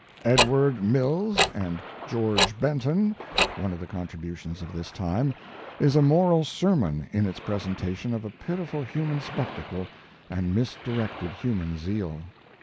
"Edward Mills and George Benton," one of the contributions of this time, is a moral sermon in its presentation of a pitiful human spectacle and misdirected human zeal.